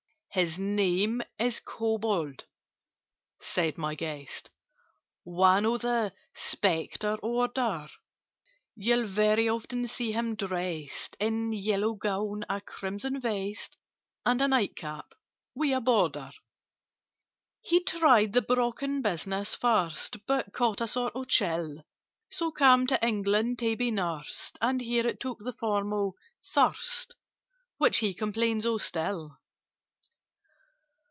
"His name is Kobold," said my guest: "One of the Spectre order: You'll very often see him dressed In a yellow gown, a crimson vest, And a night cap with a border. "He tried the Brocken business first, But caught a sort of chill; So came to England to be nursed, And here it took the form of thirst, Which he complains of still.